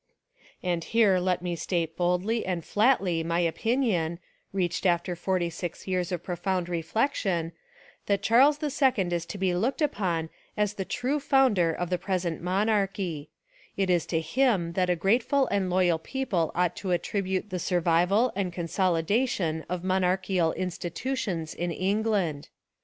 And here let me state boldly and flatly my opinion, reached after forty six years of profound reflection, that Charles II is to be looked upon as the true founder of the present monarchy; it is to him that a grateful and loyal people ought to attribute the survival and consolidation of monarchical institutions in England.